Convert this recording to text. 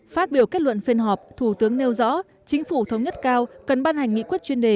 phát biểu kết luận phiên họp thủ tướng nêu rõ chính phủ thống nhất cao cần ban hành nghị quyết chuyên đề